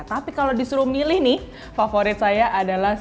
tapi kalau disuruh milih nih favorit saya adalah